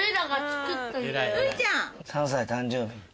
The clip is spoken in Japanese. ３歳の誕生日。